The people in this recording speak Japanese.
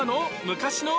昔の？